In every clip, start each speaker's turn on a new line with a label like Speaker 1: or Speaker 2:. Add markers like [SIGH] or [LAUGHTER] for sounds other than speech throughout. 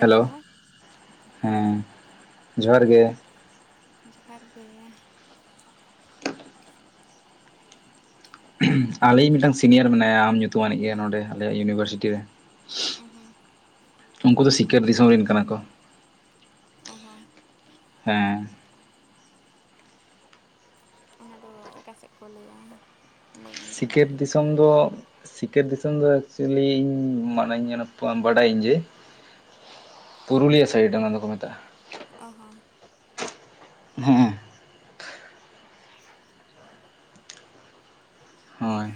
Speaker 1: Hello ᱦᱮᱸ ᱡᱚᱦᱟᱨ ᱜᱮ
Speaker 2: ᱡᱚᱦᱟᱨ ᱜᱮ
Speaker 1: ᱟᱞᱮ ᱤᱡ ᱢᱤᱫᱴᱟᱱ ᱥᱤᱱᱤᱭᱟᱨ ᱢᱮᱱᱟᱭᱟ ᱟᱢ ᱧᱩᱛᱩᱢᱟᱱᱤᱡ ᱜᱮ ᱱᱚᱰᱮ ᱟᱞᱮᱭᱟᱜ ᱤᱭᱩᱱᱤᱵᱷᱟᱨᱥᱤᱴᱤ ᱨᱮ
Speaker 2: ᱩᱸ ᱦᱩᱸ
Speaker 1: ᱩᱱᱠᱩ ᱫᱚ ᱥᱤᱠᱟᱹᱨ ᱫᱤᱥᱚᱢ ᱨᱮᱱ ᱠᱟᱱᱟ ᱠᱚ
Speaker 2: ᱚᱦ ᱦᱚᱸ
Speaker 1: ᱦᱮᱸ
Speaker 2: ᱚᱱᱟᱫᱚ ᱚᱠᱟ ᱥᱮᱫ ᱠᱚ ᱞᱟᱹᱭᱟ? ᱵᱟᱹᱧ ᱟᱸᱡᱚᱢ
Speaker 1: ᱥᱤᱠᱟᱹᱨ
Speaker 2: ᱠᱟᱜᱼᱟ
Speaker 1: ᱫᱤᱥᱚᱢ ᱫᱚ ᱥᱤᱠᱟᱹᱨ ᱫᱤᱥᱚᱢ ᱫᱚ ᱮᱠᱪᱩᱭᱮᱞᱤ ᱤᱧ ᱢᱟᱱᱮ ᱵᱟᱰᱟᱭᱟᱹᱧ ᱡᱮ ᱯᱩᱨᱩᱞᱤᱭᱟᱹ ᱥᱟᱭᱤᱰ ᱚᱱᱟ ᱫᱚᱠᱚ ᱢᱮᱛᱟᱜᱼᱟ
Speaker 2: ᱚ ᱦᱚᱸ
Speaker 1: ᱦᱮᱸ ᱦᱳᱭ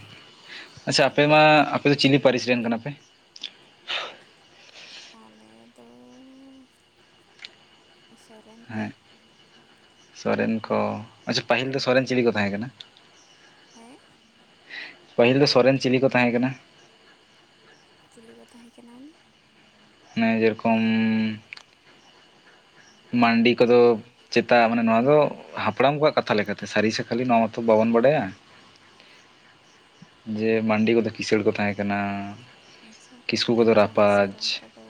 Speaker 1: ᱟᱪᱪᱷᱟ ᱟᱯᱮ
Speaker 2: ᱚᱱᱠᱟ
Speaker 1: ᱢᱟ
Speaker 2: ᱠᱟᱛᱷᱟ
Speaker 1: ᱟᱯᱮ ᱫᱚ ᱪᱤᱞᱤ ᱯᱟᱹᱨᱤᱥ ᱨᱮᱱ ᱠᱟᱱᱟᱯᱮ?
Speaker 2: ᱟᱞᱮ ᱫᱚ ᱥᱚᱨᱮᱱ ᱠᱚ
Speaker 1: ᱦᱮᱸ ᱥᱚᱨᱮᱱ ᱠᱚ ᱟᱪᱪᱷᱟ ᱯᱟᱹᱦᱤᱞ ᱫᱚ ᱥᱚᱨᱮᱱ ᱪᱤᱞᱤ ᱠᱚ ᱛᱟᱦᱮᱸ ᱠᱟᱱᱟ?
Speaker 2: ᱦᱮᱸ
Speaker 1: ᱯᱟᱹᱦᱤᱞ ᱫᱚ ᱥᱚᱨᱮᱱ ᱪᱤᱞᱤ ᱠᱚ ᱛᱟᱦᱮᱸ ᱠᱟᱱᱟ?
Speaker 2: ᱪᱤᱞᱤ ᱠᱚ ᱛᱟᱦᱮᱸ ᱠᱟᱱᱟ ᱢᱟᱱᱮ?
Speaker 1: ᱢᱟᱱᱮ ᱡᱮ ᱨᱚᱠᱚᱢ ᱢᱟᱹᱱᱰᱤ ᱠᱚᱫᱚ ᱪᱮᱛᱟᱜ ᱢᱟᱱᱮ ᱱᱚᱣᱟ ᱫᱚ ᱦᱟᱯᱲᱟᱢ ᱠᱚᱣᱟᱜ ᱠᱟᱛᱷᱟ ᱞᱮᱠᱟᱛᱮ ᱥᱟᱹᱨᱤ ᱠᱷᱟᱹᱞᱤ ᱱᱚᱣᱟ ᱢᱟᱛᱚ ᱵᱟᱵᱚᱱ ᱵᱟᱰᱟᱭᱟ
Speaker 2: [INAUDIBLE]
Speaker 1: ᱡᱮ ᱢᱟᱱᱰᱤ ᱠᱚᱫᱚ ᱠᱤᱥᱟᱹᱲ ᱠᱚ ᱛᱟᱦᱮᱸ ᱠᱟᱱᱟ ᱠᱤᱥᱠᱩ ᱠᱚᱫᱚ ᱨᱟᱯᱟᱡᱽ
Speaker 2: ᱛᱚ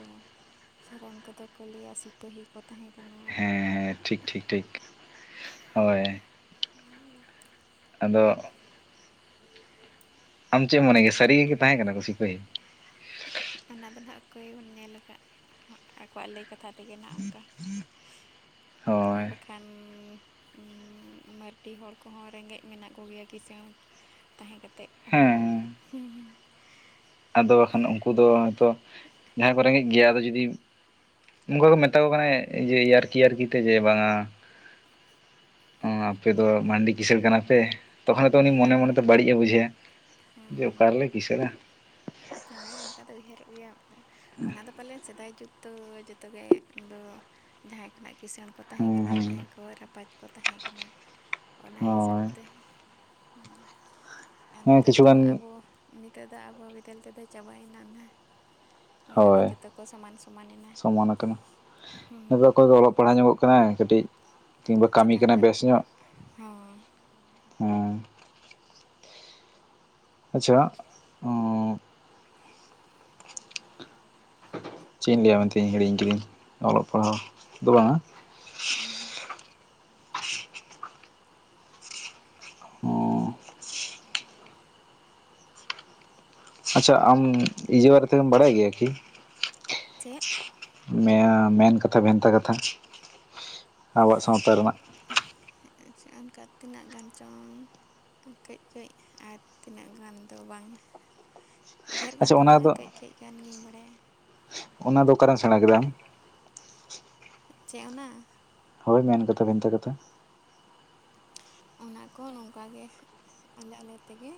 Speaker 2: ᱥᱚᱨᱮᱱ ᱠᱚᱫᱚ ᱠᱚ ᱞᱟᱹᱭᱟ ᱥᱤᱯᱟᱹᱦᱤ ᱠᱚ ᱛᱟᱦᱮᱸ ᱠᱟᱱᱟ
Speaker 1: ᱦᱮᱸ ᱴᱷᱤᱠ ᱴᱷᱤᱠ ᱴᱷᱤᱠ ᱦᱚᱭ ᱟᱫᱚ ᱟᱢ ᱪᱮᱫ ᱮᱢ ᱢᱚᱱᱮ ᱜᱮᱭᱟ ᱥᱟᱹᱨᱤ ᱜᱮ ᱠᱤ ᱛᱟᱦᱮᱸ ᱠᱟᱱᱟ ᱠᱚ ᱥᱤᱯᱟᱹᱦᱤ
Speaker 2: ᱚᱱᱟ ᱫᱚ ᱱᱟᱦᱟᱜ ᱚᱠᱚᱭ ᱵᱚᱱ ᱧᱮᱞ ᱠᱟᱫ ᱟᱠᱚᱣᱟᱜ ᱞᱟᱹᱭ ᱠᱟᱛᱷᱟ ᱛᱮᱜᱮ ᱱᱟᱦᱟᱜ ᱚᱱᱠᱟ ᱚᱱᱠᱟ ᱢᱟ
Speaker 1: ᱦᱳᱭ
Speaker 2: ᱵᱟᱠᱷᱟᱱ ᱩᱱ ᱢᱟᱨᱰᱤ ᱦᱚᱲ ᱠᱚᱦᱚᱸ ᱨᱮᱸᱜᱮᱡ ᱢᱮᱱᱟᱜ ᱠᱚᱜᱮᱭᱟ ᱠᱤᱥᱟᱹᱬ ᱛᱟᱦᱮᱸ ᱠᱟᱛᱮᱫ ᱦᱚᱸ
Speaker 1: ᱦᱮᱸ
Speaker 2: ᱦᱩ
Speaker 1: ᱟᱫᱚ ᱠᱷᱟᱱ ᱩᱱᱠᱩ ᱫᱚ ᱦᱚᱭᱛᱚ ᱡᱟᱦᱟᱸᱭ ᱠᱚ ᱨᱮᱜᱮᱡ ᱜᱮᱭᱟ ᱟᱫᱚ ᱡᱩᱫᱤ ᱚᱱᱠᱟ ᱠᱚ ᱢᱮᱛᱟ ᱠᱚ ᱠᱟᱱᱟ ᱡᱮ ᱮᱭᱟᱨᱠᱤ ᱮᱭᱟᱨᱠᱤ ᱛᱮ ᱡᱮ ᱵᱟᱝ ᱟ ᱚ ᱟᱯᱮ ᱫᱚ
Speaker 2: ᱦᱳᱭ
Speaker 1: ᱢᱟᱱᱰᱤ ᱠᱤᱥᱟᱹᱲ ᱠᱟᱱᱟ ᱯᱮ ᱛᱚᱠᱷᱚᱱ ᱛᱚ ᱩᱱᱤ ᱢᱚᱱᱮ ᱢᱚᱱᱮ
Speaker 2: ᱦᱳᱭ
Speaker 1: ᱛᱮ ᱵᱟᱹᱲᱤᱡ ᱮ ᱵᱩᱡᱷᱟᱹ ᱡᱮ ᱚᱠᱟ ᱨᱮᱞᱮ ᱠᱤᱥᱟᱹᱬᱟ
Speaker 2: ᱦᱳᱭ ᱚᱱᱠᱟ ᱫᱚ ᱩᱭᱦᱟᱹᱨᱚᱜ ᱜᱮᱭᱟ ᱚᱱᱟᱫᱚ ᱯᱟᱞᱮ ᱥᱮᱫᱟᱭ ᱡᱩᱜᱽ ᱫᱚ ᱡᱚᱛᱚ ᱜᱮ ᱫᱚ ᱡᱟᱦᱟᱸᱭ ᱠᱷᱚᱱᱟᱜ ᱠᱤᱸᱥᱟᱹᱬ ᱠᱚ ᱛᱟᱦᱮᱸ
Speaker 1: ᱦᱮᱸ
Speaker 2: ᱠᱟᱱᱟ
Speaker 1: ᱦᱮᱸ
Speaker 2: ᱡᱟᱦᱟᱸᱭ ᱠᱚ ᱨᱟᱯᱟᱡᱽ ᱠᱚ ᱛᱟᱦᱮᱸ ᱠᱟᱱᱟ ᱚᱱᱟ ᱦᱤᱥᱟᱹᱵ
Speaker 1: ᱦᱳᱭ
Speaker 2: ᱛᱮ ᱦᱩ ᱟᱨ
Speaker 1: ᱦᱮᱸ
Speaker 2: ᱱᱤᱛᱚᱜ ᱫᱚ
Speaker 1: ᱠᱤᱪᱷᱩᱜᱟᱱ
Speaker 2: ᱟᱵᱚ ᱱᱤᱛᱚᱜ ᱫᱚ ᱟᱵᱚ ᱵᱤᱫᱟᱹᱞ ᱛᱮᱫᱚ ᱪᱟᱵᱟᱭᱱᱟ ᱱᱟ ᱱᱤᱛᱚᱜ ᱫᱚ
Speaker 1: ᱦᱳᱭ
Speaker 2: ᱡᱚᱛᱚ ᱠᱚ ᱥᱚᱢᱟᱱ ᱥᱚᱢᱟᱱ ᱮᱱᱟ
Speaker 1: ᱥᱚᱢᱟᱱ ᱟᱠᱟᱱᱟ
Speaker 2: ᱦᱩ
Speaker 1: ᱱᱤᱛᱚᱜ ᱚᱠᱚᱭ ᱫᱚ ᱚᱞᱚᱜ ᱯᱟᱲᱦᱟᱣ ᱧᱚᱜᱚᱜ ᱠᱟᱱᱟ ᱠᱟᱹᱴᱤᱡ ᱠᱤᱝᱵᱟ ᱠᱟᱹᱢᱤ
Speaker 2: ᱪᱮᱛᱟᱱ
Speaker 1: ᱠᱟᱱᱟᱭ
Speaker 2: ᱧᱚᱜ
Speaker 1: ᱵᱮᱥ
Speaker 2: ᱦᱚᱸ
Speaker 1: ᱦᱮᱸ ᱟᱪᱪᱷᱟ ᱚᱵ ᱪᱮᱫ ᱤᱧ ᱞᱟᱹᱭᱟ ᱢᱮᱱᱛᱮᱧ ᱦᱤᱲᱤᱧ ᱠᱤᱫᱟᱹᱧ ᱚᱞᱚᱜ ᱯᱟᱲᱦᱟᱣ ᱫᱚ ᱵᱟᱝ ᱟ
Speaker 2: [UNINTELLIGIBLE]
Speaker 1: ᱦᱚᱸ ᱟᱪᱪᱷᱟ ᱟᱢ ᱤᱭᱟ. ᱵᱟᱨᱮᱛᱮᱢ ᱵᱟᱲᱟᱭ ᱜᱮᱭᱟ ᱠᱤ
Speaker 2: ᱪᱮᱫ
Speaker 1: ᱢᱮᱱ ᱠᱟᱛᱷᱟ ᱵᱷᱮᱱᱛᱟ ᱠᱟᱛᱷᱟ ᱟᱵᱚᱣᱟᱜ ᱥᱟᱶᱛᱟ ᱨᱮᱱᱟᱜ
Speaker 2: ᱟᱪᱪᱷᱟ ᱚᱱᱠᱟ ᱛᱤᱱᱟᱹᱜ ᱜᱟᱱ ᱪᱚᱝ ᱠᱟᱹᱡ ᱠᱟᱹᱡ ᱟᱨ ᱛᱤᱱᱟᱹᱜ ᱜᱟᱱ ᱫᱚ ᱵᱟᱝ ᱰᱷᱮᱨ
Speaker 1: ᱟᱪᱪᱷᱟ
Speaker 2: ᱜᱟᱱ ᱫᱚ
Speaker 1: ᱚᱱᱟ
Speaker 2: ᱵᱟᱝᱟ ᱠᱟᱹᱡ ᱠᱟᱹᱡ ᱜᱟᱱ ᱜᱤᱧ ᱵᱟᱲᱟᱭᱟ
Speaker 1: ᱚᱱᱟ ᱫᱚ ᱚᱠᱟᱨᱮᱢ ᱥᱮᱸᱬᱟ ᱠᱮᱫᱟᱢ
Speaker 2: ᱪᱮᱫ ᱚᱱᱟ
Speaker 1: ᱦᱳᱭ ᱢᱮᱱ ᱠᱟᱛᱷᱟ ᱵᱷᱮᱱᱛᱟ ᱠᱟᱛᱷᱟ
Speaker 2: ᱚᱱᱟ ᱠᱚ ᱱᱚᱝᱠᱟᱜᱮ ᱟᱞᱮ ᱟᱞᱮ ᱛᱮᱜᱮ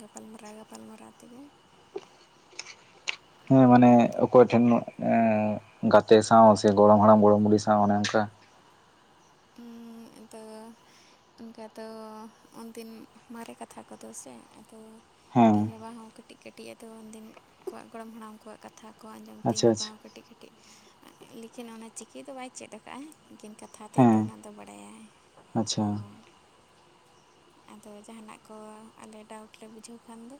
Speaker 2: ᱜᱟᱯᱟᱞᱢᱟᱨᱟᱣ ᱜᱟᱯᱟᱞᱢᱟᱨᱟᱣ ᱛᱮᱜᱮ
Speaker 1: ᱦᱮᱸ ᱢᱟᱱᱮ ᱚᱠᱚᱭ ᱴᱷᱮᱱ ᱮ ᱜᱟᱛᱮ ᱥᱟᱶ ᱥᱮ ᱜᱚᱲᱚᱢ ᱦᱟᱲᱟᱢ ᱜᱚᱲᱚᱢ ᱵᱩᱰᱦᱤ ᱥᱟᱶ ᱚᱱᱮ ᱚᱱᱠᱟ
Speaker 2: ᱦᱩᱸ ᱟᱫᱚ ᱚᱱᱠᱟ ᱫᱚ ᱩᱱᱫᱤᱱ ᱢᱟᱨᱮ ᱠᱟᱛᱷᱟ ᱠᱚᱫᱚ ᱥᱮ ᱟᱫᱚ ᱤᱧ
Speaker 1: ᱦᱮᱸ
Speaker 2: ᱵᱟᱵᱟ ᱦᱚᱸ ᱠᱟᱹᱴᱤᱡ ᱠᱟᱹᱴᱤᱡ ᱟᱫᱚ ᱩᱱᱫᱤᱱ ᱠᱚᱣᱟᱜ ᱜᱚᱲᱚᱢ ᱦᱟᱲᱟᱢ ᱠᱚᱣᱟᱜ ᱠᱟᱛ ᱛᱷᱟ ᱠᱚ ᱟᱸᱡᱚᱢ ᱛᱮ ᱤᱧ
Speaker 1: ᱟᱪᱪᱷᱟ
Speaker 2: ᱵᱟᱵᱟ
Speaker 1: ᱟᱪᱪᱷᱟ
Speaker 2: ᱦᱚᱸ ᱠᱟᱹᱴᱤᱡ ᱠᱟᱹ ᱴᱤᱡ ᱞᱮᱠᱤᱱ ᱚᱱᱟ ᱪᱤᱠᱤ ᱫᱚ ᱵᱟᱭ ᱪᱮᱫ ᱟᱠᱟᱫᱼᱟ ᱮᱠᱮᱱ ᱠᱟᱛᱷᱟ ᱛᱮᱫ ᱫᱚ
Speaker 1: ᱦᱮᱸ
Speaker 2: ᱚᱱᱟ ᱫᱚ ᱵᱟᱲᱟᱭᱟᱭ
Speaker 1: ᱟᱪᱪᱷᱟ
Speaker 2: ᱦᱚᱸ ᱟᱫᱚ ᱡᱟᱦᱟᱱᱟᱜ ᱠᱚ ᱟᱞᱮ ᱰᱟᱣᱩᱴ ᱞᱮ ᱵᱩᱡᱷᱟᱹᱣ ᱠᱷᱟᱱ ᱫᱚ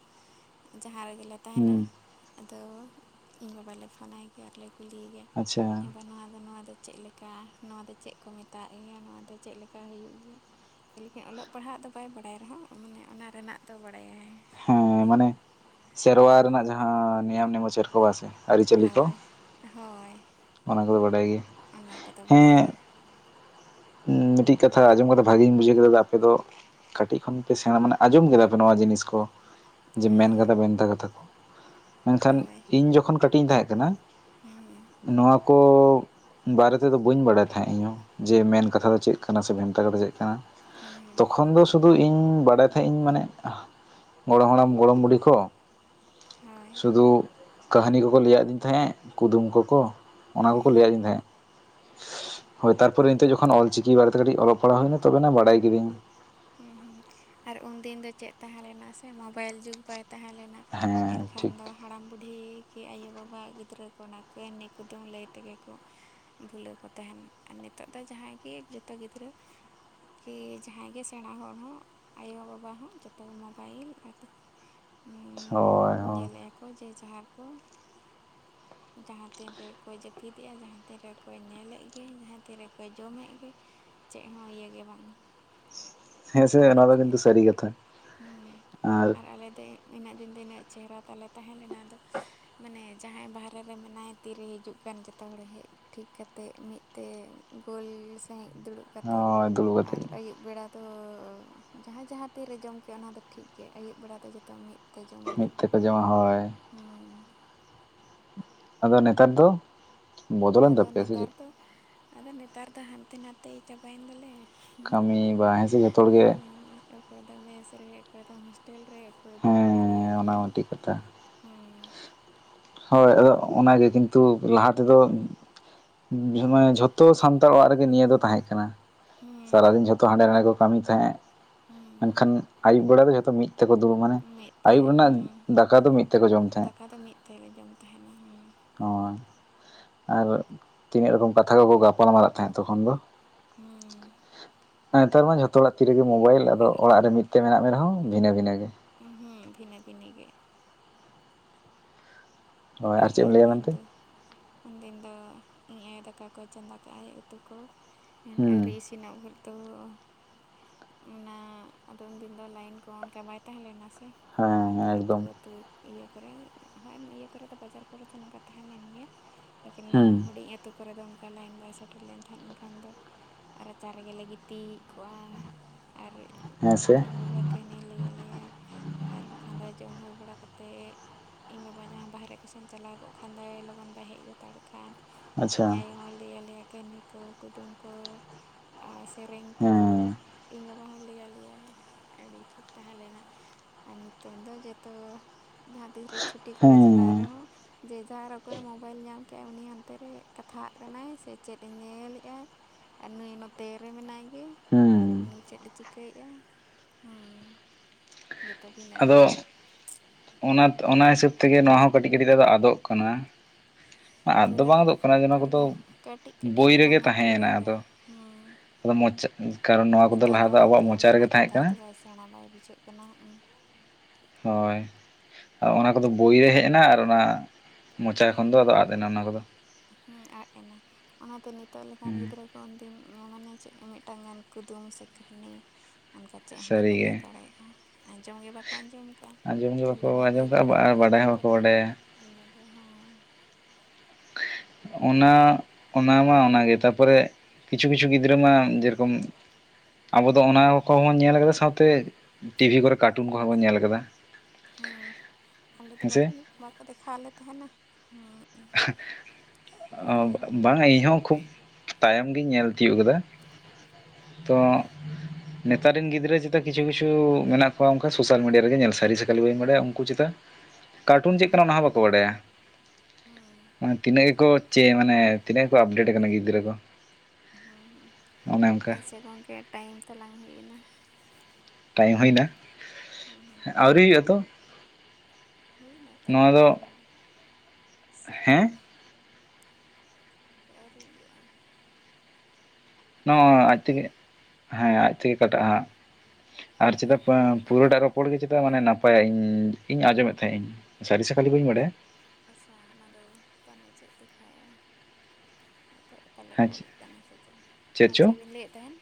Speaker 2: ᱡᱟᱦᱟᱸ ᱨᱮᱜᱮᱞᱮ ᱛᱟᱦᱮᱱᱟ
Speaker 1: ᱦᱩᱸ
Speaker 2: ᱟᱫᱚ ᱤᱧ ᱵᱟᱵᱟ ᱞᱮ ᱯᱷᱳᱱᱟᱭ ᱜᱮᱭᱟ ᱟᱨᱞᱮ ᱠᱩᱞᱤᱭᱮ ᱜᱮᱭᱟ
Speaker 1: ᱟᱪᱪᱷᱟ
Speaker 2: ᱦᱮᱸ ᱵᱟ ᱱᱚᱣᱟ ᱫᱚ ᱱᱚᱣᱟ ᱫᱚ ᱪᱮᱫ ᱞᱮᱠᱟ ᱱᱚᱣᱟ ᱫᱚ ᱪᱮᱫ ᱠᱚ ᱢᱮᱛᱟᱜ ᱜᱮᱭᱟ ᱱᱚᱣᱟ ᱫᱚ ᱪᱮᱫ ᱞᱮᱠᱟ ᱦᱩᱭᱩᱜ ᱜᱮᱭᱟ ᱞᱮᱠᱤᱱ ᱚᱞᱚᱜ ᱯᱟᱲᱦᱟᱜ ᱫᱚ ᱵᱟᱭ ᱵᱟᱰᱟᱭ ᱨᱮᱦᱚᱸ ᱢᱟᱱᱮ ᱚᱱᱟ ᱨᱮᱱᱟᱜ ᱫᱚ ᱵᱟᱲᱟᱭᱟᱭ
Speaker 1: ᱚ ᱢᱟᱱᱮ ᱥᱮᱨᱣᱟ ᱨᱮᱱᱟᱜ ᱡᱟᱦᱟᱸ ᱱᱤᱭᱚᱢ ᱱᱮᱢᱟᱪᱟᱨ ᱠᱚ ᱵᱟᱝ ᱥᱮ ᱟᱹᱨᱤᱪᱟᱹᱞᱤ ᱠᱚ
Speaker 2: ᱦᱳᱭ ᱦᱳᱭ
Speaker 1: ᱚᱱᱟ ᱠᱚᱫᱚ ᱵᱟᱰᱟᱭ ᱜᱮ
Speaker 2: ᱚᱱᱟ ᱠᱚᱫᱚ ᱵᱟᱰᱟᱭ
Speaker 1: ᱦᱮᱸ ᱢᱤᱫᱴᱤᱡ ᱠᱟᱛᱷᱟ ᱟᱸᱡᱚᱢ ᱠᱟᱛᱮᱫ ᱵᱷᱟᱜᱤᱧ ᱵᱩᱡᱷᱟᱹᱣ ᱠᱮᱫᱟ ᱟᱯᱮ ᱫᱚ ᱠᱟᱹᱴᱤᱡ ᱠᱷᱚᱱ ᱯᱮ ᱥᱮᱬᱟ ᱢᱟᱱᱮ ᱟᱸᱡᱚᱢ ᱠᱟᱫᱟ ᱯᱮ ᱱᱚᱣᱟ ᱡᱤᱱᱤᱥ ᱠᱚ ᱡᱮ ᱢᱮᱱ ᱠᱟᱛᱷᱟ
Speaker 2: ᱦᱮᱸ
Speaker 1: ᱵᱷᱮᱱᱛᱟ ᱠᱟᱛᱷᱟ ᱠᱚ ᱢᱮᱱᱠᱷᱟᱱ
Speaker 2: ᱦᱳᱭ
Speaker 1: ᱤᱧ ᱡᱚᱠᱷᱚᱱ ᱠᱟᱹᱴᱤᱡ ᱤᱧ ᱛᱟᱦᱮᱸ ᱠᱟᱱᱟ
Speaker 2: ᱦᱮᱸ
Speaker 1: ᱱᱚᱣᱟ ᱠᱚ ᱵᱟᱨᱮᱹ ᱛᱮᱫᱚ ᱵᱟᱹᱧ ᱵᱟᱲᱟᱭ ᱛᱟᱦᱮᱸᱫ ᱤᱧ ᱡᱮ ᱠᱟᱛᱷᱟ ᱪᱮᱫ ᱠᱟᱱᱟ ᱥᱮ ᱵᱷᱮᱱᱛᱟ ᱠᱟᱛᱷᱟ ᱪᱮᱫ ᱠᱟᱱᱟ
Speaker 2: ᱦᱮᱸ
Speaker 1: ᱛᱚᱠᱷᱚᱱ ᱫᱚ ᱥᱩᱫᱩ ᱤᱧ ᱵᱟᱰᱟᱭ ᱛᱟᱦᱮᱸᱫ ᱤᱧ ᱢᱟᱱᱮ ᱜᱚᱲᱚᱢ ᱦᱟᱲᱟᱢ ᱜᱚᱲᱚᱢ ᱵᱩᱰᱷᱤ ᱠᱚ
Speaker 2: ᱦᱳᱭ
Speaker 1: ᱥᱩᱫᱩ ᱠᱟᱹᱦᱱᱤ ᱠᱚᱠᱚ ᱞᱟᱹᱭᱟᱫᱤᱧ ᱛᱟᱦᱮᱸᱫ ᱠᱩᱫᱩᱢ ᱠᱚᱠᱚ ᱚᱱᱟ ᱠᱚᱠᱚ
Speaker 2: ᱦᱮᱸ
Speaker 1: ᱞᱟᱹᱭ ᱟᱫᱤᱧ ᱛᱟᱦᱮᱸᱫ ᱦᱳᱭ ᱛᱟᱯᱚᱨ ᱱᱤᱛᱚᱜ ᱡᱚᱠᱷᱚᱱ ᱚᱞ ᱪᱤᱠᱤ ᱵᱟᱨᱮᱛᱮ ᱠᱟᱹᱴᱤᱡ ᱚᱞᱚᱜ ᱯᱟᱲᱦᱟᱣ ᱦᱩᱭᱱᱟ ᱛᱚᱵᱮᱱᱟ ᱵᱟᱰᱟᱭ ᱠᱤᱫᱟᱹᱧ
Speaker 2: ᱦᱮᱸ ᱦᱮᱸ ᱟᱨ ᱩᱱᱫᱤᱱ ᱫᱚ ᱪᱮᱫ ᱛᱟᱦᱮᱸ ᱞᱮᱱᱟ ᱥᱮ ᱢᱳᱵᱟᱭᱤᱞ ᱡᱩᱜᱽ ᱵᱟᱭ ᱛᱟᱦᱮᱸᱞᱮᱱᱟ
Speaker 1: ᱦᱮᱸ
Speaker 2: ᱮᱱᱠᱷᱟᱱ
Speaker 1: ᱴᱷᱤᱠ
Speaker 2: ᱫᱚ ᱦᱟᱲᱟᱢ ᱵᱩᱰᱷᱤ ᱠᱤ ᱟᱭᱳᱼᱵᱟᱵᱟᱣᱟᱜ ᱜᱤᱫᱽᱨᱟᱹ ᱠᱚ ᱚᱱᱟ ᱠᱟᱹᱦᱱᱤ ᱠᱩᱫᱩᱢ ᱞᱟᱹᱭ ᱛᱮᱜᱮ ᱠᱚ ᱵᱷᱩᱞᱟᱹᱣ ᱠᱚ ᱛᱟᱦᱮᱱ ᱟᱨ ᱱᱤᱛᱚᱜ ᱫᱚ ᱡᱟᱦᱟᱸᱭ ᱜᱮ ᱡᱚᱛᱚ ᱜᱤᱫᱽᱨᱟᱹ ᱠᱤ ᱡᱟᱦᱟᱸᱭ ᱜᱮ ᱥᱮᱬᱟ ᱦᱚᱲ ᱦᱚᱸ ᱟᱭᱳᱵᱟᱵᱟ ᱦᱚᱸ ᱡᱚᱛᱚ ᱢᱚᱵᱟᱭᱤᱞ ᱟᱨ
Speaker 1: ᱦᱳᱭ ᱦᱳᱭ
Speaker 2: ᱧᱮᱞᱮᱫᱼᱟ ᱡᱮ ᱡᱟᱨ ᱠᱚ ᱡᱟᱦᱟᱸ ᱛᱤᱱ ᱨᱮᱠᱚ ᱡᱟᱹᱯᱤᱫᱮᱜᱼᱟ ᱡᱟᱦᱟᱸ ᱛᱤᱱ ᱨᱮᱠᱚ ᱧᱮᱞᱮᱫ ᱜᱮ ᱡᱟᱦᱟᱸ ᱛᱤᱱ ᱨᱮᱠᱚ ᱡᱚᱢᱮᱫ ᱜᱮ ᱪᱮᱫ ᱦᱚᱸ ᱤᱭᱮ ᱵᱟᱝ
Speaker 1: ᱦᱮᱸᱥᱮ
Speaker 2: ᱟᱨ
Speaker 1: ᱱᱚᱣᱟ ᱫᱚ ᱠᱤᱱᱛᱩ ᱥᱟᱹᱨᱤ ᱠᱟᱛᱷᱟ
Speaker 2: ᱦᱩᱸ
Speaker 1: ᱟᱨ
Speaker 2: ᱟᱞᱮ ᱫᱚ ᱤᱱᱟᱹᱜ ᱫᱤᱱ ᱛᱤᱱᱟᱹᱜ ᱪᱮᱦᱨᱟ ᱛᱟᱞᱮ ᱛᱟᱦᱮᱸ ᱞᱮᱱᱟ ᱟᱫᱚ ᱢᱟᱱᱮ ᱡᱟᱦᱟᱸᱭ ᱵᱟᱦᱨᱮ ᱨᱮ ᱢᱮᱱᱟᱭ ᱛᱤᱨᱮ ᱦᱤᱡᱩᱜ ᱠᱟᱱ ᱡᱚᱛᱚ ᱦᱚᱲ ᱦᱮᱡ ᱴᱷᱤᱠ ᱠᱟᱛᱮᱫ ᱢᱤᱫ ᱛᱮ ᱜᱳᱞ ᱥᱟᱹᱦᱤᱡ ᱫᱩᱲᱩᱵ ᱠᱟᱛᱮᱫ
Speaker 1: ᱦᱳᱭ ᱫᱩᱲᱩᱵ
Speaker 2: ᱟᱨ
Speaker 1: ᱠᱟᱛᱮᱫ
Speaker 2: ᱟᱹᱭᱩᱵ ᱵᱮᱲᱟ ᱛᱚᱻ ᱡᱟᱦᱟᱸᱭ ᱡᱟᱦᱟᱸ ᱛᱤᱨᱮ ᱡᱚᱢᱠᱮ ᱚᱱᱟᱫᱚ ᱴᱷᱤᱠ ᱜᱮᱭᱟ ᱟᱹᱭᱩᱵ ᱵᱮᱲᱟ ᱫᱚ ᱡᱚᱛᱚ ᱢᱤᱫ ᱛᱮ ᱡᱚᱢᱟ ᱞᱮ
Speaker 1: ᱢᱤᱫ ᱛᱮᱠᱚ ᱡᱚᱢᱟ ᱦᱳᱭ ᱟᱫᱚ ᱱᱮᱛᱟᱨ ᱫᱚ ᱵᱚᱫᱚ ᱞᱮᱱ
Speaker 2: ᱟᱫᱚ
Speaker 1: ᱛᱟᱯᱮᱭᱟ ᱥᱮ
Speaker 2: ᱱᱮᱛᱟᱨ
Speaker 1: ᱪᱮᱫ
Speaker 2: ᱫᱚ ᱟᱫᱚ ᱱᱮᱛᱟᱨ ᱫᱚ ᱦᱟᱱᱛᱮ ᱱᱟᱛᱮ ᱪᱟᱵᱟᱭᱮᱱ ᱫᱚ ᱞᱮ
Speaker 1: ᱠᱟᱹᱢᱤ ᱵᱟ ᱦᱮᱸᱥᱮ ᱡᱚᱛᱚ ᱦᱚᱲ ᱜᱮ
Speaker 2: ᱦᱩᱸ ᱚᱠᱚᱭᱫᱚ ᱢᱮᱥᱨᱮ ᱚᱠᱚᱭᱫᱚ ᱦᱳᱥᱴᱮᱞ ᱨᱮ ᱚᱠᱚᱭᱫᱚ ᱚᱠᱟᱨᱮ
Speaker 1: ᱦᱮᱸ ᱚᱱᱟ ᱦᱚ
Speaker 2: ᱦᱮᱸ
Speaker 1: ᱢᱤᱫᱴᱤᱡ ᱠᱟᱛᱷᱟ
Speaker 2: ᱦᱩᱸ
Speaker 1: ᱦᱳᱭ ᱟᱫᱚ ᱚᱱᱟᱜᱮ ᱠᱤᱱᱛᱩ ᱞᱟᱦᱟ ᱛᱮᱫᱚ ᱵᱩᱡᱷᱢᱮ ᱡᱷᱚᱛᱚ ᱥᱟᱱᱛᱟᱲ ᱚᱲᱟᱜ ᱨᱮᱜᱮ ᱱᱤᱭᱟᱹ ᱫᱚ ᱛᱟᱦᱮᱸ ᱠᱟᱱᱟ
Speaker 2: ᱦᱩᱸ
Speaker 1: ᱥᱟᱨᱟᱫᱤᱱ ᱡᱷᱚᱛᱚ ᱦᱟᱸᱰᱮ ᱱᱟᱰᱮ ᱠᱚ ᱠᱟᱹᱢᱤ ᱛᱟᱦᱮᱸᱜ
Speaker 2: ᱦᱩᱸ
Speaker 1: ᱢᱮᱱᱠᱷᱟᱱ ᱟᱹᱭᱩᱵ ᱵᱮᱲᱟ ᱫᱚ ᱡᱚᱛᱚ ᱢᱤᱫ ᱛᱮᱠᱚ ᱫᱩᱲᱩᱵ ᱢᱟᱱᱮ
Speaker 2: ᱢᱤᱫ ᱛᱮ
Speaker 1: ᱟᱭᱭᱩᱵ ᱨᱮᱱᱟᱜ ᱫᱟᱠᱟ ᱫᱚ ᱢᱤᱫ ᱛᱮᱠᱚ ᱡᱚᱢ ᱛᱟᱦᱮᱸᱜ
Speaker 2: ᱛᱮᱞ ᱞᱮ ᱡᱚᱢ ᱛᱟᱦᱮᱱᱟ ᱦᱩᱸ
Speaker 1: ᱚ ᱟᱨ ᱛᱤᱱᱟᱹᱜ ᱨᱚᱠᱚᱢ ᱠᱟᱛᱷᱟ ᱠᱚᱠᱚ ᱜᱟᱯᱟᱞ ᱢᱟᱨᱟᱜ ᱛᱟᱦᱮᱸᱜ ᱛᱚᱠᱷᱚᱱ ᱫᱚ
Speaker 2: ᱦᱩᱸ
Speaker 1: ᱱᱮᱛᱟᱨ ᱢᱟ ᱡᱷᱚᱛᱚ ᱦᱚᱲᱲᱟᱜ ᱛᱤᱨ ᱨᱮᱜᱮ ᱢᱳᱵᱟᱭᱤᱞ ᱟᱫᱚ
Speaker 2: ᱟᱨ
Speaker 1: ᱚᱲᱟᱜ ᱨᱮ ᱢᱤᱫ ᱛᱮ ᱢᱮᱱᱟᱜ ᱢᱮ ᱨᱮᱦᱚᱸ ᱵᱷᱤᱱᱟᱹ ᱵᱷᱤᱱᱟᱹᱜᱮ
Speaker 2: ᱦᱩᱸ ᱵᱷᱤᱱᱟᱹ ᱵᱷᱤᱱᱤ ᱜᱮ
Speaker 1: ᱦᱳᱭ
Speaker 2: ᱟᱨ
Speaker 1: ᱪᱮᱫ ᱮᱢ ᱞᱟᱹᱭᱟ
Speaker 2: ᱮᱱᱫᱤᱱ
Speaker 1: ᱢᱮᱱᱛᱮ
Speaker 2: ᱫᱚ ᱩᱱᱫᱤᱱ ᱫᱚ ᱤᱧ ᱟᱭ ᱫᱟᱠᱟ ᱠᱚᱭ ᱪᱚᱸᱫᱟ ᱠᱟᱜ ᱟᱭ ᱩᱛᱩ ᱠᱚ ᱮᱫ
Speaker 1: ᱦᱩᱸ
Speaker 2: ᱣᱨᱤ ᱤᱥᱤ ᱥᱤᱱᱚᱹᱜ ᱵᱷᱳᱨ ᱫᱚ ᱚᱱᱟ ᱟᱫᱚ ᱩᱱᱫᱤᱱ ᱫᱚ ᱞᱟᱭᱤᱱ ᱠᱚ ᱚᱱᱠᱟ ᱵᱟᱭ ᱛᱟᱦᱮᱸ ᱞᱮᱱᱟ ᱥᱮ ᱮᱱᱠᱷᱟᱱ
Speaker 1: ᱦᱮᱸ
Speaker 2: ᱫᱚ ᱟᱹᱛᱩ
Speaker 1: ᱮᱠᱫᱚᱢ
Speaker 2: ᱟᱹᱛᱩ ᱤᱭᱟᱹ ᱠᱚᱨᱮ ᱦᱮᱢ ᱤᱭᱟᱹ ᱠᱚᱨᱮ ᱵᱟᱡᱟᱨ ᱠᱚᱨᱮ ᱫᱚ ᱱᱚᱝᱠᱟ ᱛᱟᱦᱮᱸ ᱞᱮᱱ ᱜᱮᱭᱟ ᱞᱮᱠᱤᱱ
Speaker 1: ᱦᱩᱸ
Speaker 2: ᱱᱚᱣᱟ ᱦᱩᱰᱤᱧ ᱟᱹᱛᱩᱳ ᱠᱚᱨᱮ ᱫᱚ ᱚᱱᱠᱟ ᱞᱟᱭᱤᱱ ᱵᱟᱭ ᱥᱮᱴᱮᱨ ᱞᱮᱱ ᱛᱟᱦᱮᱸᱫ ᱮᱱᱠᱷᱟᱱ ᱫᱚ ᱨᱟᱪᱟ ᱨᱮᱜᱮᱞᱮ ᱜᱤᱛᱤᱡ ᱠᱚᱜᱼᱟ ᱟᱨ
Speaker 1: ᱦᱮᱸ ᱥᱮ
Speaker 2: ᱤᱧ ᱵᱟᱵᱟ ᱠᱟᱹᱦᱱᱤ ᱞᱟᱹᱭ ᱟᱞᱮᱭᱟᱭ ᱟᱨ ᱵᱟᱠᱷᱟᱱ ᱫᱚ ᱡᱚᱢ ᱦᱩᱭ ᱵᱟᱲᱟ ᱠᱟᱛᱮᱫ ᱤᱧ ᱵᱟᱵᱟ ᱡᱟᱦᱟᱸ ᱵᱟᱦᱨᱮ ᱠᱚᱥᱮᱢ ᱪᱟᱞᱟᱣ ᱠᱚᱜ ᱠᱷᱟᱱ ᱫᱚᱭ ᱞᱚᱜᱚᱱ ᱵᱟᱭ ᱦᱮᱡ ᱞᱮᱛᱟᱲ ᱠᱷᱟᱱ
Speaker 1: ᱟᱪᱪᱷᱟ
Speaker 2: ᱤᱧ ᱟᱭᱳ ᱦᱚᱸᱭ ᱞᱟᱹᱭ ᱟᱞᱮᱭᱟ ᱠᱟᱹᱦᱱᱤ ᱠᱚ ᱠᱩᱫᱩᱢ ᱠᱚ ᱟᱨ ᱥᱮᱨᱮᱧ ᱠᱚ
Speaker 1: ᱦᱮᱸ
Speaker 2: ᱤᱧ ᱵᱟᱵᱟ ᱦᱚᱸᱭ ᱞᱟᱹᱭ ᱟᱞᱮᱭᱟᱭ ᱟᱹᱰᱤ ᱴᱷᱤᱠ ᱛᱟᱦᱮᱸ ᱞᱮᱱᱟ ᱟᱨ ᱱᱤᱛᱚᱝ ᱫᱚ ᱡᱚᱛᱚ ᱡᱟᱦᱟᱸ ᱛᱤᱥᱨᱮ ᱪᱷᱩᱴᱤ ᱠᱚᱨᱮ ᱪᱟᱞᱟᱜ
Speaker 1: ᱦᱮᱸ
Speaker 2: ᱨᱮᱦᱚᱸ ᱡᱮ ᱡᱟᱨ ᱚᱠᱚᱭ ᱢᱳᱵᱟᱭᱤᱞ ᱧᱟᱢ ᱠᱮᱜᱟᱭ ᱩᱱᱤ ᱦᱟᱱᱛᱮ ᱨᱮ ᱠᱟᱛᱷᱟᱜ ᱠᱟᱱᱟᱭ ᱥᱮ ᱪᱮᱫ ᱮ ᱧᱮᱞᱮᱟ ᱟᱨ ᱱᱩᱭ ᱱᱚᱛᱮ ᱨᱮ ᱢᱮᱱᱟᱭ ᱜᱮ
Speaker 1: ᱦᱩᱸ
Speaker 2: ᱩᱱᱤ ᱪᱮᱫ ᱮ ᱪᱤᱠᱟᱹᱭᱮ-ᱟ ᱦᱩᱸ ᱡᱚᱛᱚ ᱵᱷᱤᱱᱟᱹ ᱵᱷᱤᱱᱤ
Speaker 1: ᱚᱱᱟᱛ ᱚᱱᱟ ᱦᱤᱥᱟᱹᱵᱽ ᱛᱮᱜᱮ ᱱᱚᱣᱟ ᱦᱚᱸ ᱠᱟᱹᱴᱤᱡ ᱠᱟᱹᱴᱤᱡ ᱫᱚ ᱟᱫᱚ ᱟᱫᱚᱜ ᱠᱟᱱᱟ ᱟᱫ ᱫᱚ
Speaker 2: ᱯᱩᱨᱟᱹ
Speaker 1: ᱵᱟᱝ ᱟᱫᱚᱜ ᱠᱟᱱᱟ ᱚᱱᱟ ᱠᱚᱫᱚ
Speaker 2: ᱯᱩᱨᱟᱹ ᱠᱟᱹᱴᱤᱡ ᱠᱟᱹᱴᱤᱡ
Speaker 1: ᱵᱳᱭ
Speaker 2: ᱫᱚ
Speaker 1: ᱨᱮᱜᱮ
Speaker 2: ᱵᱟᱝᱟ ᱯᱩᱨᱟᱹ
Speaker 1: ᱛᱟᱦᱮᱸᱭᱮᱱᱟ
Speaker 2: ᱜᱮ
Speaker 1: ᱟᱫᱚ
Speaker 2: ᱦᱮᱸ
Speaker 1: ᱟᱫᱚ ᱢᱚᱪᱟᱜ ᱠᱟᱨᱚᱱ ᱱᱚᱣᱟ ᱠᱚᱫᱚ ᱞᱟᱦᱟ ᱫᱚ ᱟᱵᱚᱣᱟᱜ ᱢᱚᱪᱟ ᱨᱮᱜᱮ ᱛᱟᱦᱮᱸᱜ ᱠᱟᱱᱟ
Speaker 2: ᱡᱟᱦᱟᱸᱱᱟᱜ ᱵᱟᱭ ᱵᱩᱡᱷᱟᱹᱜ ᱠᱟᱱᱟ
Speaker 1: ᱦᱳᱭ ᱚᱱᱟ ᱠᱚᱫᱚ ᱵᱳᱭᱨᱮ ᱦᱮᱡ ᱮᱱᱟ ᱟᱨ ᱚᱱᱟ ᱢᱚᱪᱟ ᱠᱷᱚᱱ ᱫᱚ ᱟᱫᱚ ᱟᱫ ᱮᱱᱟ ᱚᱱᱟ ᱠᱚᱫᱚ
Speaker 2: ᱦᱩᱸ ᱟᱫ ᱮᱱᱟ ᱚᱱᱟᱛᱮ ᱱᱤᱛᱚᱜ ᱞᱮᱠᱟᱱ
Speaker 1: ᱦᱮᱸ
Speaker 2: ᱜᱤᱫᱽᱨᱟᱹ ᱩᱱᱫᱤᱱ ᱢᱟᱱᱮ ᱪᱮᱫ ᱢᱤᱫᱴᱟᱝ ᱜᱟᱱ ᱠᱩᱫᱩᱢ ᱥᱮ ᱠᱟᱹᱦᱱᱤ ᱚᱱᱠᱟ ᱪᱮᱜ ᱦᱚᱸ ᱵᱟᱠᱚ ᱞᱟᱹᱭ
Speaker 1: ᱥᱟᱹᱨᱤᱜᱮ
Speaker 2: ᱫᱟᱲᱮᱭᱟᱜ-ᱟ ᱟᱸᱡᱚᱢ ᱜᱮ ᱵᱟᱠᱚ ᱟᱸᱡᱚᱢ ᱟᱠᱟᱜ-ᱟ
Speaker 1: ᱟᱸᱡᱚᱢ ᱜᱮ
Speaker 2: ᱠᱷᱟᱹᱞᱤ
Speaker 1: ᱵᱟᱠᱚ ᱟᱸᱡᱚᱢ
Speaker 2: ᱢᱳᱵᱟᱭᱤᱞ ᱨᱮ
Speaker 1: ᱠᱟᱜᱼᱟ ᱟᱨ
Speaker 2: ᱡᱟᱦᱟᱸ
Speaker 1: ᱵᱟᱰᱟᱭ
Speaker 2: ᱦᱤᱡᱩᱜ
Speaker 1: ᱦᱚᱸ ᱵᱟᱠᱚ
Speaker 2: ᱠᱟᱱᱟ
Speaker 1: ᱵᱟᱰᱟᱭᱟ
Speaker 2: ᱚᱱᱟᱜᱮ ᱦᱚᱸ
Speaker 1: ᱚᱱᱟ ᱚᱱᱟᱢᱟ ᱚᱱᱟᱜᱮ ᱛᱟᱯᱚᱨᱮ ᱠᱤᱪᱷᱩ ᱠᱤᱪᱷᱩ ᱜᱤᱫᱽᱨᱟᱹ ᱢᱟ ᱡᱮᱨᱚᱠᱚᱢ ᱟᱵᱚ ᱫᱚ ᱚᱱᱟ ᱠᱚᱦᱚᱵᱚᱱ ᱧᱮᱞ ᱟᱠᱟᱫᱟ ᱥᱟᱶᱛᱮ ᱴᱤᱵᱷᱤ ᱠᱚᱨᱮ ᱠᱟᱴᱩᱱ ᱠᱚᱦᱚᱸ ᱵᱚᱱ ᱧᱮᱞ ᱟᱠᱟᱫᱟ
Speaker 2: ᱦᱩᱸ ᱟᱞᱮ ᱫᱚ ᱵᱟᱠᱚ ᱵᱟᱠᱚ ᱫᱮᱠᱷᱟ ᱟᱞᱮ ᱛᱟᱦᱮᱱᱟ ᱦᱩᱸ
Speaker 1: ᱚ ᱵᱟᱝᱟ ᱤᱧ ᱦᱚᱸ ᱠᱷᱩᱵ ᱛᱟᱭᱚᱢ ᱜᱮᱧ ᱧᱮᱞ ᱛᱤᱭᱳᱜ ᱟᱠᱟᱫᱟ ᱛᱚ ᱱᱮᱛᱟᱨ ᱨᱮᱱ ᱜᱤᱫᱽᱨᱟᱹ ᱪᱮᱛᱟᱜ ᱠᱤᱪᱷᱩ ᱠᱤᱪᱷᱩ ᱢᱮᱱᱟᱜ ᱠᱚᱣᱟ ᱚᱱᱠᱟ ᱥᱳᱥᱟᱞ ᱢᱤᱰᱤᱭᱟ ᱨᱮᱜᱮ ᱧᱮᱞ ᱥᱟᱹᱨᱤ ᱥᱮ ᱠᱷᱟᱞᱤ ᱵᱟᱹᱧ ᱵᱟᱲᱟᱭᱟ ᱩᱱᱠᱩ ᱪᱮᱫᱟᱜ
Speaker 2: [INAUDIBLE]
Speaker 1: ᱠᱟᱨᱴᱩᱱ ᱪᱮᱫ ᱠᱟᱱᱟ ᱚᱱᱟ ᱦᱚᱸ ᱵᱟᱠᱚ ᱵᱟᱰᱟᱭᱟ ᱾
Speaker 2: ᱦᱮᱸ
Speaker 1: ᱢᱟᱱᱮ ᱛᱤᱱᱟᱹᱜ ᱜᱮᱠᱚ ᱪᱮᱫ ᱢᱟᱱᱮ ᱛᱤᱱᱟᱹᱜ ᱜᱮᱠᱚ ᱟᱯᱰᱮᱴ ᱟᱠᱟᱱᱟ ᱜᱤᱫᱽᱨᱟᱹ ᱠᱚ ᱾
Speaker 2: ᱦᱩ ᱦᱩᱸ ᱟᱪᱪᱷᱟ ᱜᱚᱢᱠᱮ ᱴᱟᱭᱤᱢ ᱛᱟᱞᱟᱝ ᱦᱩᱭᱱᱟ ᱾
Speaker 1: ᱴᱟᱭᱤᱢ ᱦᱩᱭ ᱮᱱᱟ ᱟᱹᱣᱨᱤ ᱦᱩᱭᱩᱜ ᱟᱛᱚ
Speaker 2: ᱦᱩᱭᱮᱱᱟ ᱛᱚ
Speaker 1: ᱱᱚᱣᱟ
Speaker 2: ᱵᱟᱨᱚ
Speaker 1: ᱫᱚ
Speaker 2: ᱢᱤᱱᱤᱴ ᱥᱮ
Speaker 1: ᱦᱮᱸ
Speaker 2: ᱟᱣᱨᱤ ᱦᱩᱭᱩᱜᱼᱟ ᱾
Speaker 1: ᱱᱚᱜᱼᱚᱭ ᱟᱡ ᱛᱮᱜᱮ ᱦᱮᱸ ᱟᱡ ᱛᱮᱜᱮ ᱠᱟᱴᱟᱜᱼᱟ ᱦᱟᱸᱜ ᱟᱨ ᱪᱮᱫᱟᱜ
Speaker 2: ᱟᱫᱚ
Speaker 1: ᱯᱩᱨᱟᱹᱴᱟᱜ ᱨᱚᱯᱚᱲ ᱜᱮ ᱪᱟᱜ ᱢᱟᱱᱮ ᱱᱟᱯᱟᱭᱟ ᱤᱧ ᱤᱧ ᱟᱸᱡᱚᱢᱮᱫ ᱛᱟᱦᱮᱸᱜ ᱤᱧ ᱥᱟᱹᱨᱤ ᱥᱮ ᱠᱷᱟᱞᱤ ᱵᱟᱹᱧ ᱵᱟᱰᱟᱭᱟ ᱾
Speaker 2: ᱟᱪᱪᱷᱟ ᱚᱱᱟ ᱫᱚ ᱛᱟᱱᱮ ᱪᱮᱫ ᱞᱮᱠᱷᱟᱭᱼᱟ ᱾ ᱚᱠᱚᱭ ᱯᱟᱞᱮ
Speaker 1: ᱦᱮᱸ
Speaker 2: ᱠᱚᱞᱮᱫ ᱠᱟᱱᱟ ᱥᱮ ᱪᱮᱫ ᱢᱟ ᱪᱮᱫ ᱵᱤᱱ ᱞᱟᱹᱭᱮᱫ ᱛᱟᱦᱮᱱ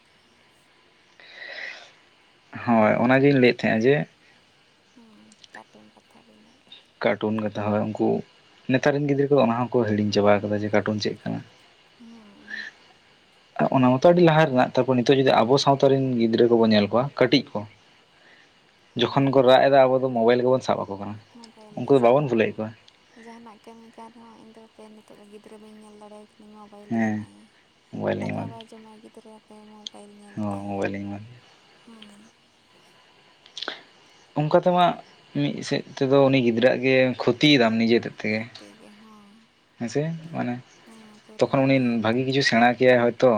Speaker 1: ᱦᱳᱭ ᱚᱱᱟᱜᱮᱧ ᱞᱟᱹᱭᱮᱫ ᱛᱟᱦᱮᱸᱼᱟ ᱡᱮ
Speaker 2: ᱠᱟᱴᱩᱱ ᱠᱟᱛᱷᱟ ᱵᱮᱱ ᱞᱟᱹᱭ
Speaker 1: ᱠᱟᱨᱴᱩᱱ ᱠᱟᱛᱷᱟ ᱦᱚᱭ ᱩᱱᱠᱩ ᱱᱮᱛᱟᱨ ᱨᱮᱱ ᱜᱤᱫᱽᱨᱟᱹ ᱠᱚᱫᱚ ᱚᱱᱟ ᱦᱚᱸᱠᱚ ᱦᱤᱲᱤᱧ ᱪᱟᱵᱟ ᱠᱟᱫᱟ ᱡᱮ ᱠᱟᱨᱴᱩᱱ ᱪᱮᱫ ᱠᱟᱱᱟ ᱾
Speaker 2: ᱦᱩᱸ
Speaker 1: ᱚᱱᱟ ᱢᱚᱛᱚ ᱟᱹᱰᱤ ᱞᱟᱦᱟ ᱢᱮᱱᱟᱜ ᱛᱟᱯᱚᱨ ᱱᱤᱛᱚᱜ ᱡᱫᱤ ᱟᱵᱚ ᱥᱟᱶᱛᱟ ᱨᱮᱱ ᱜᱤᱫᱽᱨᱟᱹ ᱠᱚᱵᱚᱱ ᱧᱮᱞ ᱠᱚᱣᱟ ᱠᱟᱹᱴᱤᱡ ᱠᱚ
Speaker 2: [INAUDIBLE]
Speaker 1: ᱡᱚᱠᱷᱚᱱ ᱠᱚ
Speaker 2: ᱦᱮᱸ
Speaker 1: ᱨᱟᱜ ᱮᱫᱟ ᱟᱵᱚ ᱫᱚ ᱢᱳᱵᱟᱭᱤᱞ ᱜᱮᱵᱚᱱ ᱥᱟᱵ ᱟᱠᱚ ᱠᱟᱱᱟ
Speaker 2: ᱢᱳᱵᱟᱭᱤᱞ
Speaker 1: ᱩᱱᱠᱩ
Speaker 2: ᱜᱮ
Speaker 1: ᱫᱚ
Speaker 2: ᱥᱟᱵ
Speaker 1: ᱵᱟᱵᱚᱱ
Speaker 2: ᱦᱮᱸ
Speaker 1: ᱵᱷᱩᱞᱟᱹᱣᱮᱫ ᱠᱚᱣᱟ
Speaker 2: ᱡᱟᱦᱟᱱᱟᱜ ᱠᱟᱹᱢᱤ ᱠᱟᱱ ᱨᱮᱦᱚᱸ ᱤᱧᱫᱚᱯᱮ ᱱᱤᱛᱚᱜ ᱜᱤᱫᱽᱨᱟᱹ ᱵᱟᱹᱧ ᱧᱮᱞ ᱫᱟᱲᱮᱭᱟ ᱾ ᱩᱱᱤ ᱢᱳᱵᱟᱭᱤᱞᱤᱧ
Speaker 1: ᱦᱮᱸ
Speaker 2: ᱮᱢᱟᱭᱟ
Speaker 1: ᱢᱳᱵᱟᱭᱤᱞᱤᱧ
Speaker 2: ᱫᱟᱠᱟ
Speaker 1: ᱮᱢᱟ ᱢᱮᱭᱟ
Speaker 2: ᱵᱟᱭ ᱡᱚᱢᱟᱭ ᱜᱤᱫᱨᱟᱹ ᱜᱤᱫᱽᱨᱟᱹ ᱢᱳᱵᱟᱭᱤᱞ
Speaker 1: ᱦᱚᱸ
Speaker 2: ᱧᱮᱞᱛᱮ
Speaker 1: ᱢᱳᱵᱟᱭᱤᱞᱤᱧ ᱮᱢᱟ ᱢᱮᱭᱟ ᱚᱱᱠᱟ ᱛᱮᱢᱟ ᱢᱤᱫ ᱥᱮᱫ ᱛᱮᱫᱚ ᱩᱱᱤ ᱜᱤᱫᱽᱨᱟᱹ ᱜᱮ ᱠᱷᱚᱛᱤᱭᱮᱫᱟᱢ ᱱᱤᱡᱮ ᱛᱮᱫᱚ
Speaker 2: ᱠᱚᱛᱮ ᱜᱮ ᱦᱚᱸ
Speaker 1: ᱦᱮᱸᱥᱮ ᱢᱟᱱᱮ
Speaker 2: ᱦᱚᱸ ᱯᱩᱨᱟᱹ
Speaker 1: ᱛᱚᱠᱷᱚᱱ ᱩᱱᱤ
Speaker 2: ᱱᱤᱦᱟᱹᱛ
Speaker 1: ᱵᱷᱟᱹᱜᱤ ᱠᱤᱪᱷᱩ ᱥᱮᱬᱟ ᱠᱮᱭᱟᱭ ᱦᱚᱭᱛᱳ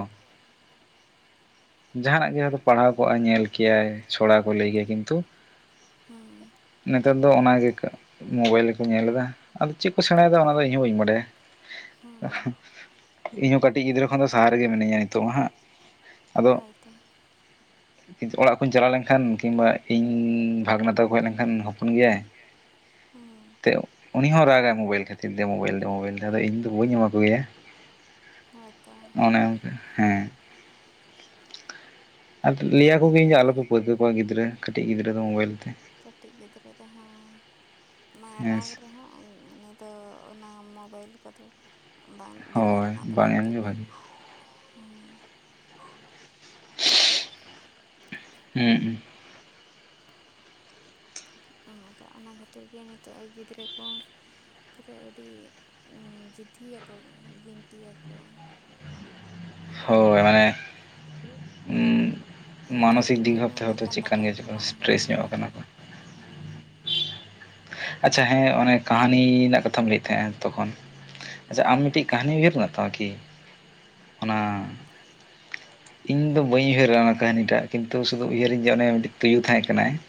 Speaker 1: ᱡᱟᱦᱟᱱᱟᱜ ᱜᱮ ᱦᱚᱭ ᱯᱟᱲᱦᱟᱣ ᱠᱚᱜᱼᱟᱭ ᱧᱮᱞ ᱠᱮᱭᱟᱭ ᱪᱷᱚᱲᱟ ᱠᱚ ᱞᱟᱹᱭ ᱠᱮᱭᱟ ᱠᱤᱱᱛᱩ
Speaker 2: ᱦᱩᱸ
Speaker 1: ᱱᱮᱛᱟᱨ ᱫᱚ ᱚᱱᱟᱜᱮ ᱢᱳᱵᱟᱭᱤᱞ ᱜᱮᱠᱚ ᱧᱮᱞᱮ ᱫᱟ ᱟᱫᱚ ᱪᱮᱫ ᱠᱚ ᱥᱮᱬᱟᱭᱮᱫᱟ ᱚᱱᱟᱫᱚ ᱤᱧ ᱦᱚᱸ ᱵᱟᱹᱧ ᱵᱟᱰᱟᱭᱟ
Speaker 2: ᱦᱩᱸ
Speaker 1: ᱾ ᱤᱧ ᱦᱚᱸ ᱠᱟᱹᱴᱤᱡ ᱜᱤᱫᱽᱨᱟᱹ ᱠᱷᱚᱱ ᱫᱚ ᱥᱟᱦᱟ ᱨᱮᱜᱮ ᱢᱤᱱᱟᱹᱧᱟ ᱱᱤᱛᱳᱜ ᱦᱟᱸᱜ ᱟᱫᱚ
Speaker 2: ᱦᱳᱭᱛᱚ [INAUDIBLE]
Speaker 1: ᱚᱲᱟᱜ ᱠᱩᱧ ᱪᱟᱞᱟᱣ ᱞᱮᱱᱠᱷᱟᱱ ᱠᱤᱢᱵᱟ ᱤᱧ ᱵᱷᱟᱜᱽᱱᱟ ᱛᱟᱠᱚ ᱠᱚ ᱦᱮᱡᱽ ᱞᱮᱱᱠᱷᱟᱱ ᱦᱚᱯᱚᱱ ᱜᱮᱭᱟᱭ
Speaker 2: ᱦᱩᱸ
Speaker 1: ᱩᱱᱤ ᱦᱚᱸ ᱨᱟᱜᱟᱭ ᱢᱳᱵᱟᱭᱤᱞ ᱠᱷᱟᱹᱛᱤᱨ ᱛᱮ ᱫᱮ ᱢᱳᱚᱵᱟᱭᱤᱞ ᱫᱮ ᱢᱳᱚᱵᱟᱭᱤᱞ ᱟᱫᱚ ᱤᱧ ᱫᱚ ᱵᱟᱹᱧ ᱮᱢᱟ ᱠᱚ ᱜᱮᱭᱟ ᱚᱱᱮ
Speaker 2: ᱦ ᱦᱮᱸ [INAUDIBLE]
Speaker 1: ᱟᱨ ᱞᱟᱹᱭᱟ ᱠᱚᱜᱮᱧ ᱡᱮ
Speaker 2: ᱚᱱᱠᱟᱜᱮ
Speaker 1: ᱟᱞᱚᱯᱮ ᱯᱟᱹᱨᱠᱟᱹ ᱠᱚᱣᱟ ᱜᱤᱫᱽᱨᱟᱹ ᱠᱟᱹᱴᱤᱡ ᱜᱤᱫᱽᱨᱟᱹ ᱫᱚ ᱢᱳᱵᱟᱭᱤᱞ ᱛᱮ
Speaker 2: ᱠᱟᱹᱴᱤᱡ ᱜᱤᱫᱽᱨᱟᱹ ᱫᱚᱦᱚᱸ
Speaker 1: ᱦᱮᱸ
Speaker 2: ᱢᱟᱨᱟᱝ
Speaker 1: ᱥᱮ
Speaker 2: ᱨᱮᱦᱚᱸ ᱛᱚ ᱚᱱᱟ ᱢᱚᱵᱟᱭᱤᱞ ᱠᱚᱫᱚ ᱵᱟᱝ ᱫᱮᱠᱷᱟ
Speaker 1: ᱦᱳᱭ
Speaker 2: ᱨᱮᱱᱟᱜ ᱫᱚ ᱵᱟᱝ
Speaker 1: ᱮᱢᱜᱮ
Speaker 2: ᱠᱟᱱᱟ
Speaker 1: ᱵᱷᱟᱜᱤ
Speaker 2: ᱾
Speaker 1: ᱦᱮᱸᱸ
Speaker 2: ᱚᱱᱠᱟ ᱚᱱᱟ ᱠᱷᱟᱹᱛᱤᱨ ᱜᱮ ᱱᱤᱛᱚᱜ ᱜᱤᱫᱽᱨᱟᱹ ᱠᱚ ᱯᱩᱨᱟᱹ ᱟᱹᱰᱤ ᱡᱤᱫᱷᱤᱭᱟᱠᱚ ᱜᱤᱱᱴᱤᱭᱟᱠᱚ ᱾
Speaker 1: ᱦᱳᱭ ᱢᱟᱱᱮ
Speaker 2: ᱢᱳᱵᱟᱭᱤᱞ
Speaker 1: ᱢᱟᱱᱚᱥᱤᱠ ᱫᱤᱠᱽ
Speaker 2: ᱤᱢᱟᱹᱧ ᱢᱮ
Speaker 1: ᱵᱷᱟᱵ ᱛᱮ ᱦᱚᱛᱚ
Speaker 2: ᱮᱸᱰᱮᱠᱷᱟᱱ
Speaker 1: ᱪᱮᱫᱠᱟᱱ
Speaker 2: ᱫᱟᱠᱟᱧ
Speaker 1: ᱜᱮᱪᱚ ᱠᱚ
Speaker 2: ᱡᱚᱢᱟ
Speaker 1: ᱥᱴᱨᱮᱥ ᱧᱚᱜ
Speaker 2: ᱦᱮᱸ
Speaker 1: ᱟᱠᱟᱱᱟ ᱠᱚ ᱾
Speaker 2: ᱦᱮᱸ
Speaker 1: ᱟᱪᱪᱷᱟ ᱦᱮᱸ ᱚᱱᱮ ᱠᱟᱹᱦᱱᱤ ᱨᱮᱱᱟᱜ ᱠᱟᱛᱷᱟᱢ ᱞᱟᱹᱭᱮᱫ ᱛᱟᱦᱮᱸᱱᱟ ᱛᱚᱠᱷᱚᱱ ᱟᱪᱪᱷᱟ ᱟᱢ ᱢᱤᱫᱴᱮᱡ ᱠᱟᱹᱦᱱᱤ ᱩᱭᱦᱟᱹᱨ ᱢᱮᱱᱟᱜ ᱛᱟᱢᱟ ᱠᱤ? ᱚᱱᱟ ᱤᱧ ᱫᱚ ᱵᱟᱹᱧ ᱩᱭᱦᱟᱹᱨᱟ ᱚᱱᱟ ᱠᱟᱹᱦᱱᱤᱴᱟᱜ ᱠᱤᱱᱛᱩ ᱥᱩᱫᱩ ᱩᱭᱦᱟᱹᱨᱤᱧ ᱡᱮ ᱚᱱᱮ ᱢᱤᱫᱴᱤᱡ ᱛᱩᱭᱩ ᱛᱟᱦᱮᱸ ᱠᱟᱱᱟᱭ ᱾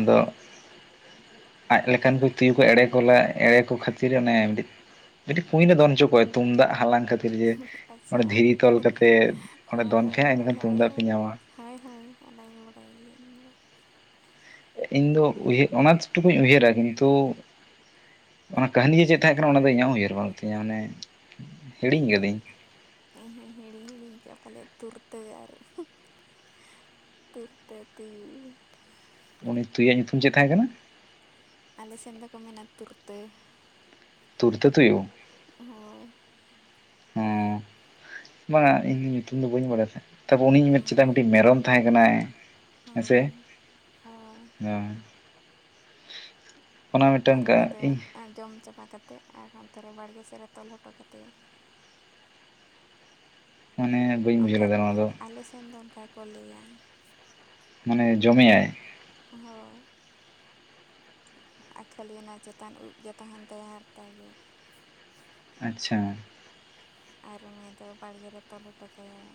Speaker 1: ᱟᱫᱚᱜ ᱟᱡ ᱞᱮᱠᱟᱱ ᱠᱚ ᱛᱩᱭᱩ ᱠᱚ ᱮᱲᱮ ᱠᱚ ᱞᱟᱜ ᱮᱲᱮ ᱠᱚ ᱠᱷᱟᱹᱛᱤᱨ ᱚᱱᱮ ᱢᱤᱫ ᱴᱤᱴᱟᱡ ᱠᱩᱸᱧᱤ ᱨᱮ ᱫᱚᱱ ᱦᱚᱪᱚ ᱠᱚᱟᱭ ᱛᱩᱢᱫᱟᱜ ᱦᱟᱞᱟᱝ ᱠᱷᱟᱹᱛᱤᱨ ᱡᱮ
Speaker 2: ᱟᱪᱪᱷᱟ
Speaker 1: ᱚᱸᱰᱮ ᱫᱷᱤᱨᱤ
Speaker 2: ᱚᱱᱟ
Speaker 1: ᱛᱚᱞ ᱠᱟᱛᱮᱜ ᱚᱸᱰᱮ ᱫᱚᱱ ᱯᱮ ᱮᱸᱰᱮ ᱠᱷᱟᱱ ᱛᱩᱢᱫᱟᱜ ᱯᱮ ᱧᱟᱢᱟ
Speaker 2: ᱦᱟᱭ ᱦᱟᱭ ᱚᱱᱟᱜᱮ ᱵᱟᱰᱟᱭ ᱜᱮᱭᱟ ᱤᱧ ᱫᱚ
Speaker 1: ᱤᱧ ᱫᱚ ᱩᱭ ᱚᱱᱟ ᱴᱩᱠᱩᱧ ᱩᱭᱦᱟᱹᱨᱟ ᱠᱤᱱᱛᱩ ᱠᱟᱹᱦᱱᱤ ᱜᱮ ᱪᱮᱫ ᱛᱟᱦᱮᱸᱜ ᱠᱟᱱᱟ ᱚᱱᱟ ᱫᱚ ᱤᱧᱟᱹᱜ ᱦᱚᱸ ᱩᱭᱦᱟᱹᱨ ᱵᱟᱝ ᱛᱤᱧᱟᱹ ᱢᱟᱱᱮ ᱦᱤᱲᱤᱧ ᱠᱟᱹᱫᱟᱹᱧ
Speaker 2: ᱤᱧ ᱦᱚᱸᱧ ᱦᱤᱲᱤᱧ ᱦᱤᱲᱤᱧ ᱠᱮᱭᱟ ᱯᱟᱞᱮᱫ ᱛᱩᱨᱛᱟᱹ ᱜᱟᱨ ᱛᱩᱨᱛᱮ ᱛᱩᱭᱩ
Speaker 1: ᱩᱱᱤ ᱛᱩᱭᱣᱟᱜ ᱧᱩᱛᱩᱢ ᱪᱮᱫ ᱛᱟᱦᱮᱸ ᱠᱟᱱᱟ
Speaker 2: ᱟᱞᱮ ᱥᱮᱱ ᱫᱚᱠᱚ ᱢᱮᱱᱟ ᱛᱩᱨᱛᱟᱹ
Speaker 1: ᱛᱩᱨᱛᱟᱹ ᱛᱩᱭᱩ
Speaker 2: ᱦᱳᱭ
Speaker 1: ᱦᱮᱸ ᱵᱟᱝᱟ ᱤᱧ ᱫᱚ ᱧᱩᱛᱩᱢ ᱫᱚ ᱵᱟᱹᱧ ᱵᱟᱲᱟᱭ ᱛᱟᱦᱮᱸᱫ ᱛᱟᱯᱚᱨ ᱩᱱᱤᱧ ᱢᱮᱱ ᱪᱮᱫᱟ
Speaker 2: ᱦᱳᱭ
Speaker 1: ᱢᱤᱫᱴᱤᱡ ᱢᱮᱨᱚᱢ ᱛᱟᱦᱮᱸ ᱠᱟᱱᱟᱭ ᱦᱮᱸᱥᱮ
Speaker 2: [INAUDIBLE]
Speaker 1: ᱚᱱᱟ ᱢᱤᱫᱴᱟᱝ
Speaker 2: ᱟᱨ ᱩᱱᱩᱫᱚ
Speaker 1: ᱤᱧ
Speaker 2: ᱟᱸᱡᱚᱢ ᱪᱟᱵᱟ ᱠᱟᱛᱮᱫ ᱟᱨ ᱦᱟᱱᱛᱮ ᱨᱮ ᱵᱟᱲᱜᱮ ᱥᱮᱫ ᱨᱮ ᱛᱚᱞ ᱦᱚᱴᱚ ᱠᱟᱫᱮᱭᱟ
Speaker 1: ᱢᱟᱱᱮ ᱵᱟᱹᱧ ᱵᱩᱡᱷᱟᱹᱣ
Speaker 2: ᱚᱱᱠᱟᱡ
Speaker 1: ᱞᱮᱫᱟ ᱱᱚᱣᱟ ᱫᱚ
Speaker 2: ᱟᱞᱮ ᱥᱮᱱ ᱫᱚ ᱚᱱᱠᱟ ᱜᱮ ᱠᱚ ᱞᱟᱹᱭᱟ
Speaker 1: ᱢᱟᱱᱮ ᱡᱚᱢᱭᱟᱭ
Speaker 2: ᱦᱳᱭ ᱟᱨ ᱠᱷᱟᱹᱞᱤᱭ ᱚᱱᱟ ᱪᱮᱛᱟᱱ ᱩᱵᱼᱜᱮ ᱛᱟᱦᱮᱱ ᱛᱟᱭᱟ ᱦᱟᱨᱛᱟ ᱜᱮ
Speaker 1: ᱟᱪᱪᱷᱟ
Speaker 2: ᱟᱨ ᱩᱱᱩᱫᱚ ᱵᱟᱲᱜᱮ ᱛᱚᱞ ᱦᱚᱴᱚ ᱠᱟᱭᱟᱭ